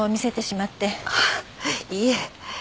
あっいえ。